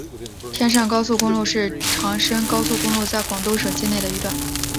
天汕高速公路是长深高速公路在广东省境内的一段。